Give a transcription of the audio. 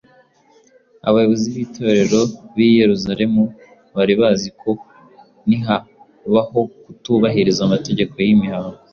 Abayobozi b’Itorero b’i Yerusalemu bari bazi ko nihabaho kutubahiriza amategeko y’imihango